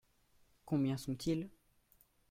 Combien sont-ils ?